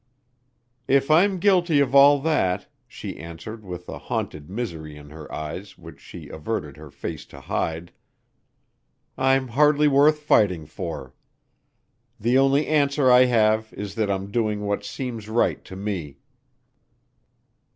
"If I'm guilty of all that" she answered with a haunted misery in her eyes which she averted her face to hide, "I'm hardly worth fighting for. The only answer I have is that I'm doing what seems right to me."